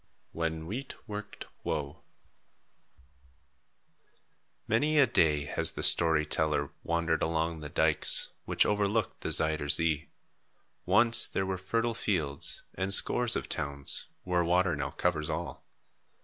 WHEN WHEAT WORKED WOE Many a day has the story teller wandered along the dykes, which overlook the Zuyder Zee. Once there were fertile fields, and scores of towns, where water now covers all.